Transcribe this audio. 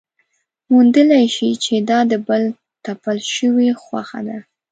موندلی شي چې دا د بل تپل شوې خوښه ده.